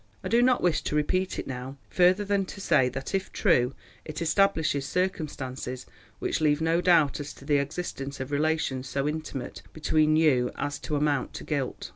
I do not wish to repeat it now, further than to say that, if true, it establishes circumstances which leave no doubt as to the existence of relations so intimate between you as to amount to guilt.